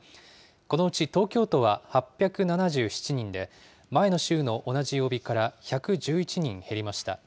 このうち東京都は８７７人で、前の週の同じ曜日から１１１人減りました。